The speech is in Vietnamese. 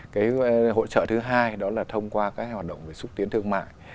cái hỗ trợ thứ hai đó là thông qua các hoạt động về xúc tiến thương mại